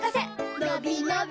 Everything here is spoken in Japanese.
のびのび